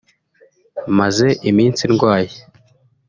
“Maze iminsi ndwaye